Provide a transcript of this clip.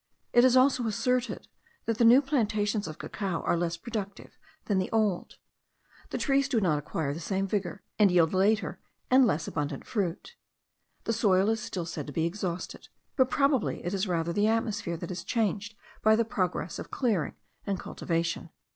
It is also asserted, that the new plantations of cacao are less productive than the old; the trees do not acquire the same vigour, and yield later and less abundant fruit. The soil is still said to be exhausted; but probably it is rather the atmosphere that is changed by the progress of clearing and cultivation.